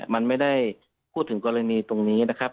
มันไม่ได้พูดถึงกรณีตรงนี้นะครับ